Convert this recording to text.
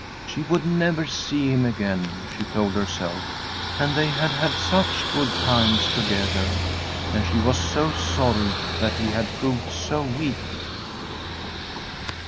She would never see him again, she told herself, and they had had such good times together, and she was so sorry that he had proved so weak.